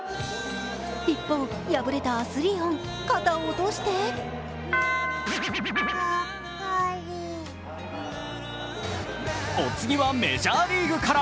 一方、敗れたアスリオン、肩を落としてお次はメジャーリーグから。